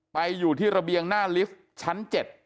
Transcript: ไปอยู่ที่ระเบียงหน้าลิฟท์ชั้น๗